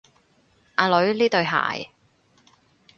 阿女，呢對鞋